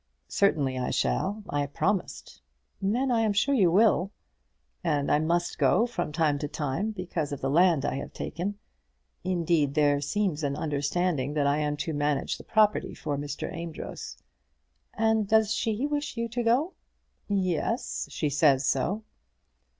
"Certainly I shall; I promised." "Then I am sure you will." "And I must go from time to time because of the land I have taken. Indeed there seems to be an understanding that I am to manage the property for Mr. Amedroz." "And does she wish you to go?" "Yes, she says so."